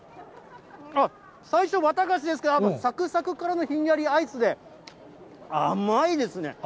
あっ、最初、綿菓子ですが、さくさくからのひんやりアイスで、甘いですね。